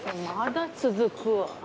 まだ続くわ。